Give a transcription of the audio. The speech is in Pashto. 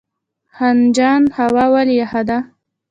خنجان هوا ولې یخه ده؟